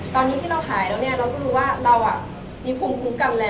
ตอนนี้ที่เราหายแล้วเนี่ยเราก็รู้ว่าเรามีภูมิคุ้มกันแล้ว